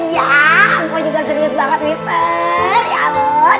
ya kamu juga serius banget mister